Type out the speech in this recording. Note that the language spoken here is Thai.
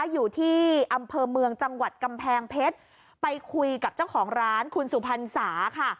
อยู่ที่อำเภอเมืองจังหวัดกำแพงเพชรไปคุยกับเจ้าของร้านคุณสุพรรณสาค่ะ